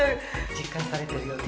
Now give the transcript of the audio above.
実感されてるようで。